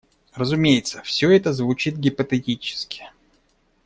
Разумеется, все это звучит гипотетически.